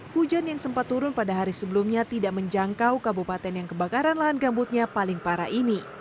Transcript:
hujan yang sempat turun pada hari sebelumnya tidak menjangkau kabupaten yang kebakaran lahan gambutnya paling parah ini